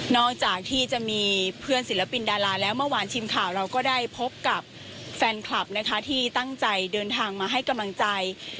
อกจากที่จะมีเพื่อนศิลปินดาราแล้วเมื่อวานทีมข่าวเราก็ได้พบกับแฟนคลับนะคะที่ตั้งใจเดินทางมาให้กำลังใจ